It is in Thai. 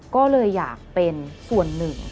ก็เลยอยากเป็นส่วนหนึ่ง